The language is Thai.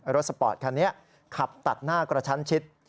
สปอร์ตคันนี้ขับตัดหน้ากระชั้นชิด